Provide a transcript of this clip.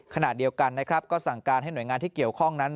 ขณะเดียวกันนะครับก็สั่งการให้หน่วยงานที่เกี่ยวข้องนั้น